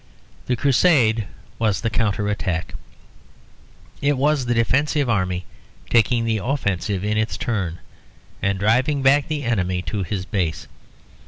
The Crusade was the counter attack. It was the defensive army taking the offensive in its turn, and driving back the enemy to his base.